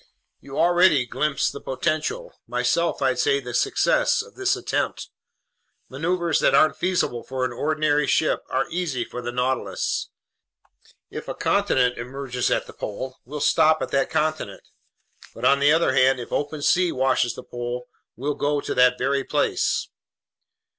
"You already glimpse the potential—myself, I'd say the success—of this attempt. Maneuvers that aren't feasible for an ordinary ship are easy for the Nautilus. If a continent emerges at the pole, we'll stop at that continent. But on the other hand, if open sea washes the pole, we'll go to that very place!"